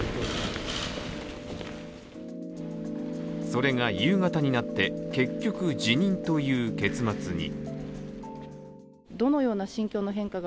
それが夕方になって結局、辞任という結末に。